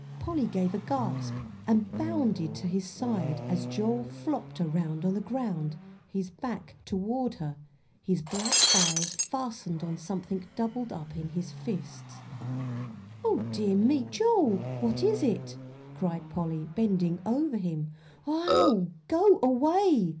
Polly gave a gasp, and bounded to his side, as Joel flopped around on the ground, his back toward her, his black eyes fastened on something doubled up in his fists. "O dear me, Joel, what is it?" cried Polly, bending over him. "Ow go way!"